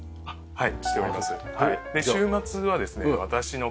はい。